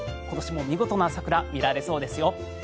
今年も見事な桜見られそうですよ。